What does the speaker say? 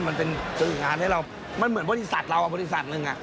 มันเป็นสื่องานให้เรามันเหมือนบริษัทเราบริษัทหนึ่ง